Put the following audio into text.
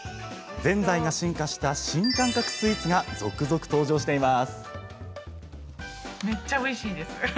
ぜんざいが進化した新感覚スイーツが続々登場しています。